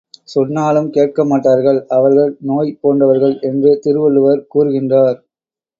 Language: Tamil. சொன்னாலும் கேட்கமாட்டார்கள், அவர்கள் நோய் போன்றவர்கள் என்று திருவள்ளுவர் கூறுகின்றார்.